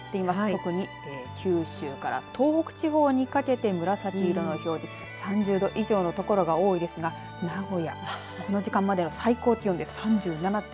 特に九州から東北地方にかけて紫色の表示３０度以上の所が多いですが名古屋、この時間までの最高気温で３７．１度。